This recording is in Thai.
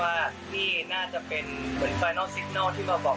ให้ผมได้มีชีวิตอยู่กับครอบครัวของผม